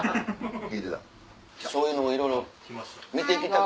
そういうのもいろいろ。来ました。